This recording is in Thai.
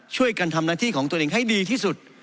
ช่วยกันทำหน้าที่ของตัวเองให้ดีที่สุด